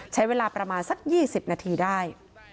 ใช้เวลาประมาณสัก๒๐นาทีได้